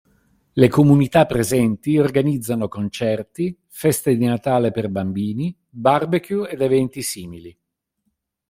Le comunità presenti organizzano concerti, feste di natale per bambini, barbecue ed eventi simili.